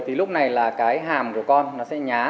thì lúc này là cái hàm của con nó sẽ nhá